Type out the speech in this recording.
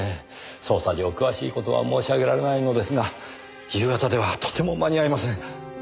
捜査上詳しい事は申し上げられないのですが夕方ではとても間に合いません。